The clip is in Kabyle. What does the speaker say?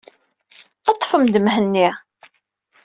Ḍḍfem-d Mhenni.